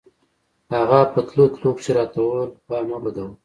هغه په تلو تلو کښې راته وويل خوا مه بدوه.